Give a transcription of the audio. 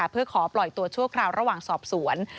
เพื่อขอปล่อยตัวชั่วคราวระหว่างสอบสวน